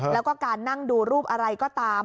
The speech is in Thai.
แล้วก็การนั่งดูรูปอะไรก็ตาม